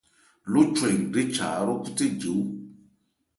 Ló chwɛ ngrécha áhrɔ́khúthé jewú.